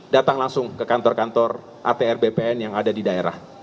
datang langsung ke kantor kantor atr bpn yang ada di daerah